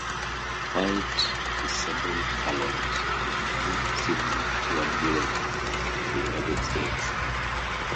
"White Disabled Talent" extensively toured Europe and the United States.